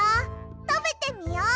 たべてみよう。